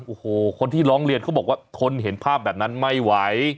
โอ้โหคนที่ร้องเรียนเขาบอกว่าทนเห็นภาพแบบนั้นไม่ไหว